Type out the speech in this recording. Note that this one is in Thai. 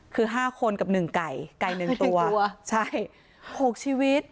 คือ๕คนกับ๑ไก่ไก่๑ตัวใช่๖ชีวิต